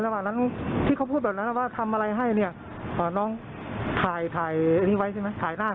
อ๋อในระหว่างนั้นที่เขาพูดแบบนั้นว่าทำอะไรให้เนี่ยน้องถ่ายหน้าเขาใช่ไหม